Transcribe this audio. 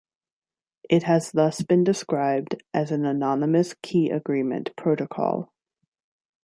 It has thus been described as an anonymous key agreement protocol.